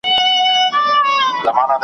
پال ډنبار خپل لومړنی شعر .